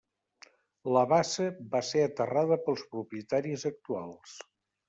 La bassa va ser aterrada pels propietaris actuals.